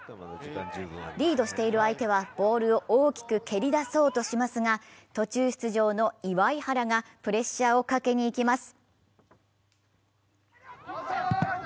リードしている相手はボールを大きく蹴り出そうとしますが、途中出場の祝原がプレッシャーをかけにいきます。